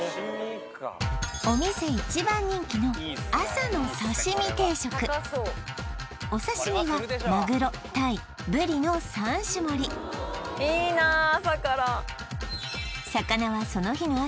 お店お刺身はマグロタイブリの３種盛り魚はその日の朝